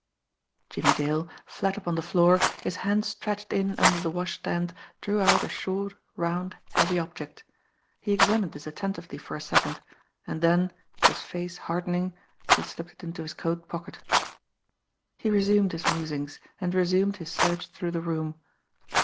Jimmie Dale; flat upon the floor, his hand stretched in under the washstand, drew out a short, round, heavy object. He examined this attentively for a second; and then, his face hardening, he slipped it into his coat pocket. He resumed his musings, and resumed his search through the room.